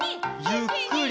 「ゆっくり」